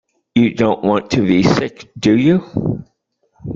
You don't want to be sick, do you?